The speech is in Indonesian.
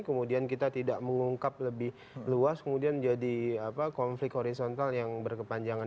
kemudian kita tidak mengungkap lebih luas kemudian jadi konflik horizontal yang berkepanjangan